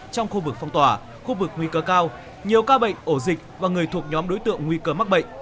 trong khu vực phong tỏa khu vực nguy cơ cao nhiều ca bệnh ổ dịch và người thuộc nhóm đối tượng nguy cơ mắc bệnh